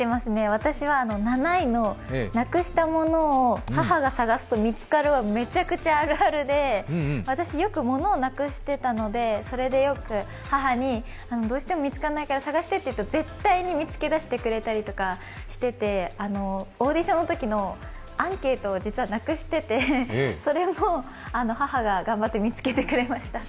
私は７位の、なくした物を母が探すと見つかるは、めちゃくちゃ、あるあるで、私、よくものをなくしてたのでそれでよく母に、どうしても見つからないから探してと言うと絶対に見つけ出してくたりとかしててオーディションのときのアンケートを実はなくしててそれも母が頑張って見つけてくれました。